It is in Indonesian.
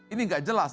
ini tidak jelas